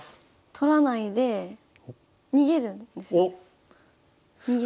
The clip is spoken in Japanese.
取らないで逃げるんですよね。